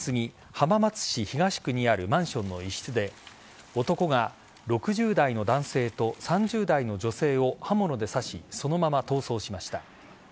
浜松市東区にあるマンションの一室で男が６０代の男性と３０代の女性を刃物で刺しそのまま逃走しました。